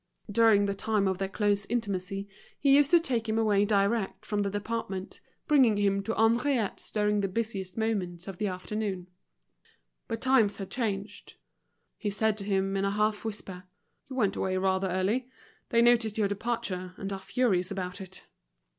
During the time of their close intimacy he used to take him away direct from the department, bringing him to Henriette's during the busiest moments of the afternoon. But times had changed; he said to him in a half whisper: "You went away rather early. They noticed your departure, and are furious about it."